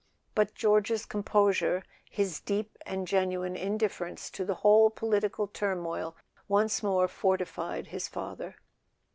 But George's composure, his deep and genuine indifference to the whole political turmoil, once more fortified his father.